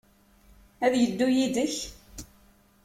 Ad yeddu yid-k?